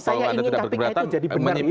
saya ingin kpk itu jadi benar itu